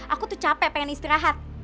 aku tuh capek pengen istirahat